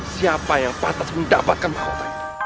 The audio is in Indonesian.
siapa yang patah mendapatkan mahluk